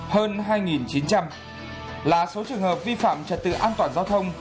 hơn hai chín trăm linh là số trường hợp vi phạm trật tự an toàn giao thông